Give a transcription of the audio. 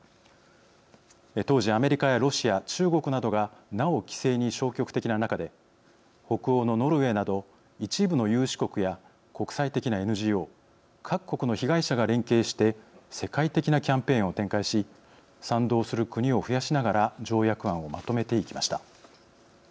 当時アメリカやロシア中国などがなお規制に消極的な中で北欧のノルウェーなど一部の有志国や国際的なＮＧＯ各国の被害者が連携して世界的なキャンペーンを展開し賛同する国を増やしながら条約案をまとめていきました。